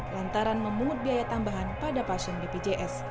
lantaran memungut biaya tambahan pada pasien bpjs